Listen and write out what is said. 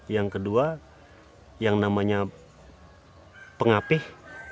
yang kedua yang namanya pengapih